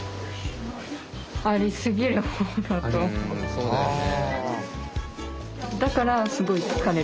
そうだよね。